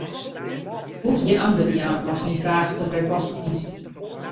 Hoechst gjin antwurd te jaan ast myn fraach te frijpostich fynst.